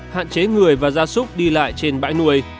hạn chế người và gia súc đi lại trên bãi nuôi